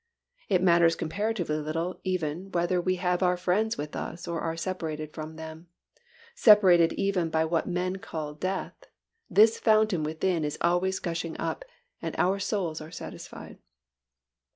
It matters comparatively little even whether we have our friends with us or are separated from them, separated even by what men call death, this fountain within is always gushing up and our souls are satisfied.